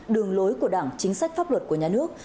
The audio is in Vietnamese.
đường lối của đảng chính sách pháp luật của nhà nước